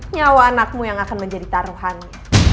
nyawa anakmu yang akan menjadi taruhannya